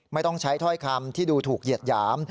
ไม่ต้องใช้ถ้อยคำที่ดูถูกเหยียดหยาม